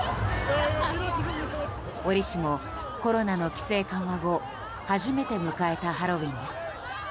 折しも、コロナの規制緩和後初めて迎えたハロウィーンです。